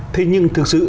thế nhưng thực sự